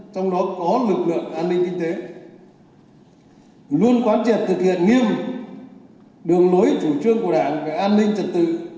trong đó có lực lượng an ninh kinh tế luôn quán triệt thực hiện nghiêm đường lối chủ trương của đảng về an ninh trật tự